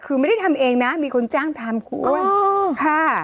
คือไม่ได้ทำเองนะมีคนจ้างทำควรค่ะ